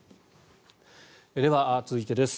では続いてです。